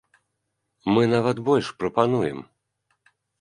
Мы нават больш прапануем.